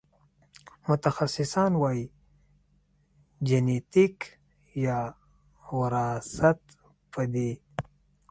متخصصان وايي جنېتیک یا وراثت په دې